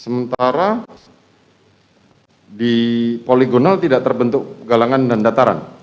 sementara di poligonal tidak terbentuk galangan dan dataran